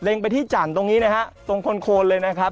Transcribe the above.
ไปที่จันทร์ตรงนี้นะฮะตรงคนโคนเลยนะครับ